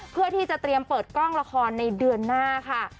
เพื่อที่จะเตรียมเปิดกล้องละครในเดือนหน้าค่ะ